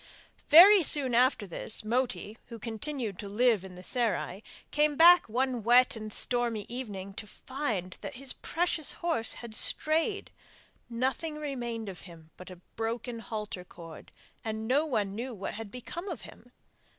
Very soon after this, Moti, who continued to live in the serai, came back one wet and stormy evening to find that his precious horse had strayed. Nothing remained of him but a broken halter cord, and no one knew what had become of him.